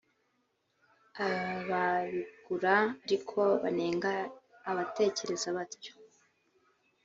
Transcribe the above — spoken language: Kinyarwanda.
Ababigura ariko banenga abatekereza batyo